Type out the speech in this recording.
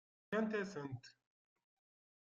Fakkent-as-tent.